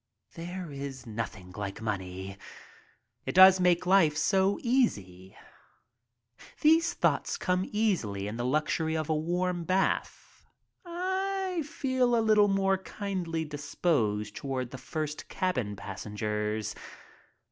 There is nothing like money. It does make life so easy. These thoughts come easily in the luxury of a warm bath. I feel a little more kindly disposed toward the first cabin passengers.